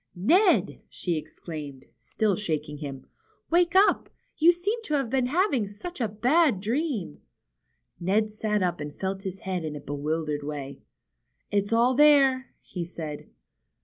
^^Ned!" she exclaimed, still shaking him. ^^Wake up ! You seem to be having such a bad dream." Ned sat up and felt his head in a bewildered way. It's all there," he said.